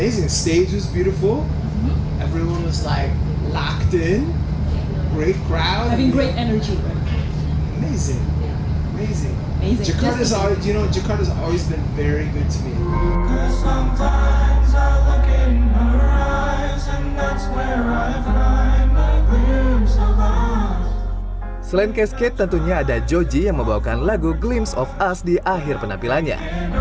selain ksg tentunya ada joji yang membawakan lagu glimpse of us di akhir penampilannya